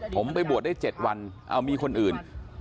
ผมไปบวชได้๗วันเอามีคนอื่น